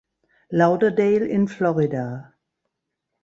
Lauderdale in Florida.